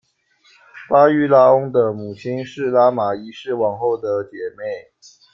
巴育拉翁的母亲是拉玛一世王后的姐妹。